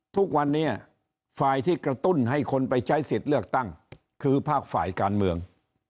ทุกวันนี้ฝ่ายที่กระตุ้นให้คนไปใช้สิทธิ์เลือกตั้งคือภาคฝ่ายการเมือง